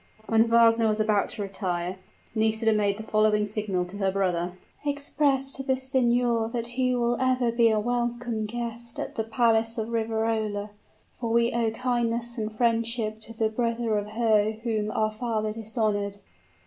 When Wagner was about to retire, Nisida made the following signal to her brother: "Express to the signor that he will ever be a welcome guest at the palace of Riverola; for we owe kindness and friendship to the brother of her whom our father dishonored."